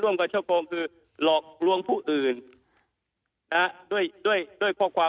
กับช่อโกงคือหลอกลวงผู้อื่นนะฮะด้วยด้วยด้วยข้อความ